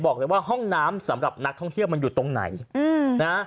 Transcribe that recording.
บอกเลยว่าห้องน้ำสำหรับนักท่องเที่ยวมันอยู่ตรงไหนนะ